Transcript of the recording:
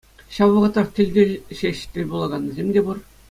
Ҫав вӑхӑтрах тӗл-тӗл ҫеҫ тӗл пулаканнисем те пур.